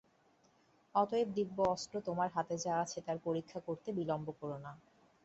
অতএব দিব্য অস্ত্র তোমার হাতে যা আছে তার পরীক্ষা করতে বিলম্ব কোরো না।